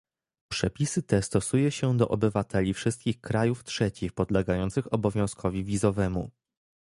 Przepisy te stosuje się do obywateli wszystkich krajów trzecich podlegających obowiązkowi wizowemu